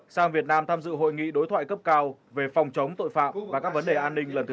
sang việt nam tham dự hội nghị đối thoại cấp cao về phòng chống tội phạm và các vấn đề an ninh lần thứ hai